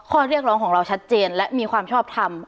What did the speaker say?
ข้อเรียกร้องของเราชัดเจนและมีความชอบทำ